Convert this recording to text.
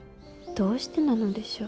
どうしてなのでしょう。